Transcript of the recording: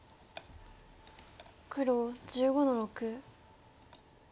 黒１５の六。